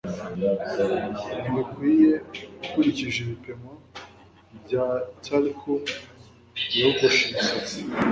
Ntibikwiye ukurikije ibipimo bya talcum yogoshe imisatsi